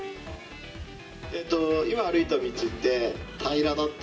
今、歩いた道って平らだった？